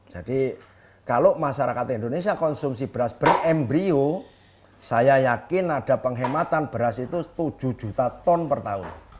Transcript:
jadi kalau masyarakat indonesia konsumsi beras berembryo saya yakin ada penghematan beras itu tujuh juta ton per tahun